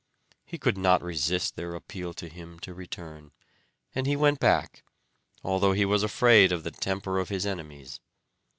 He could not resist their appeal to him to return, and he went back, although he was afraid of the temper of his enemies.